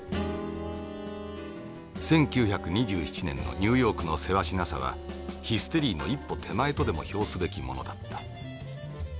「１９２７年のニューヨークのせわしなさはヒステリーの一歩手前とでも表すべきものだった。